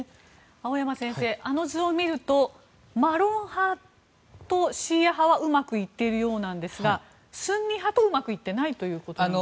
青山先生あの図を見るとマロン派とシーア派はうまくいっているようなんですがスンニ派とうまくいっていないということですか。